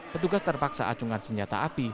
petugas terpaksa acungan senjata api